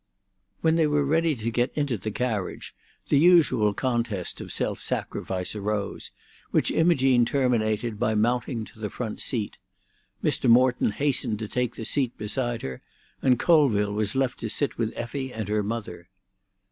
When they were ready to get into the carriage, the usual contest of self sacrifice arose, which Imogene terminated by mounting to the front seat; Mr. Morton hastened to take the seat beside her, and Colville was left to sit with Effie and her mother.